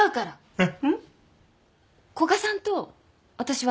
えっ？